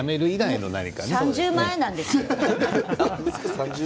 ３０前なんですよ。